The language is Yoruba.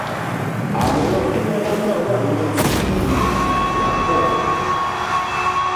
Àwòrán Adẹ́mọ́lá náà wà nínú fíìmù Ìyábọ̀.